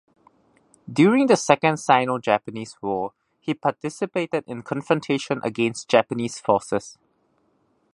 During the Second Sino-Japanese War, he participated in confrontation against Japanese forces.